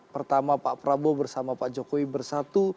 pertama pak prabowo bersama pak jokowi bersatu